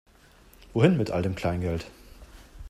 Wohin mit all dem Kleingeld?